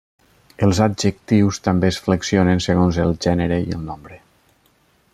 Els adjectius també es flexionen segons el gènere i el nombre.